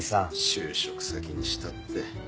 就職先にしたって。